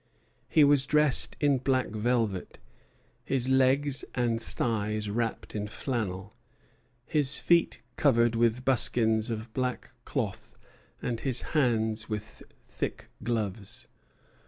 He was dressed in black velvet, his legs and thighs wrapped in flannel, his feet covered with buskins of black cloth, and his hands with thick gloves."